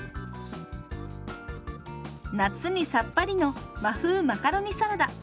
夏にさっぱりの「和風マカロニサラダ」。